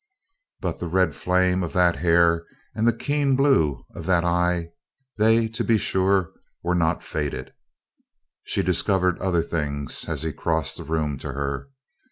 But the red flame of that hair and the keen blue of that eye they, to be sure, were not faded. She discovered other things as he crossed the room to her.